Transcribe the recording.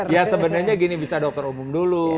ya sebenarnya gini bisa dokter umum dulu